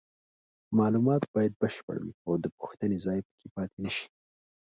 معلومات باید بشپړ وي او د پوښتنې ځای پکې پاتې نشي.